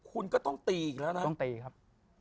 คุณก็ต้องตีอีกแล้วนะต้องตีครับ